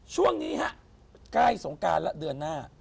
ช่วงนี้ฮะใกล้สงการแล้วเดือนหน้า